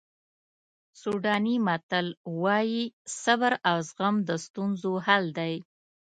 سوډاني متل وایي صبر او زغم د ستونزو حل دی.